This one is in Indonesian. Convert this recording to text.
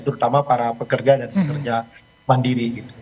terutama para pekerja dan pekerja mandiri